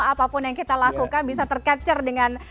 apapun yang kita lakukan bisa tercapture dengan